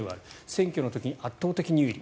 選挙の時に圧倒的に有利。